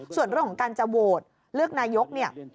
ส่วนเรื่องของการจะโวทเลือกนายก